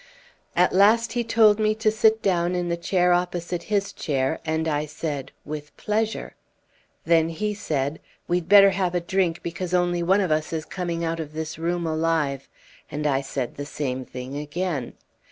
"At last he told me to sit down in the chair opposite his chair, and I said, 'With pleasure.' Then he said, 'We'd better have a drink, because only one of us is coming out of this room alive,' and I said the same thing again.